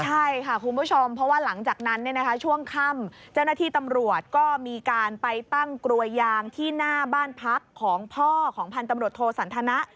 ใช่ค่ะคุณผู้ชมเพราะว่าหลังจากนั้นช่วงค่ำเจ้าหน้าที่ตำรวจก็มีการไปตั้งกลวยยางที่หน้าบ้านพักของพ่อของพันธุ์ตำรวจโทสันทนะ